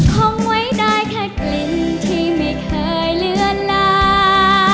คงไว้ได้แค่กลิ่นที่ไม่เคยเลือนลา